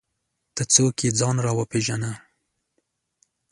ته څوک یې ځان راوپېژنه!